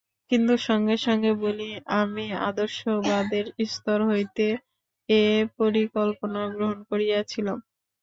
কিন্তু সঙ্গে সঙ্গে বলি, আমি আদর্শবাদের স্তর হইতেই এ পরিকল্পনা গ্রহণ করিয়াছিলাম।